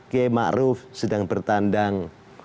ke makruf sedang bertandang